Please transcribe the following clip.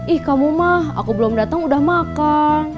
ih kamu mah aku belum datang udah makan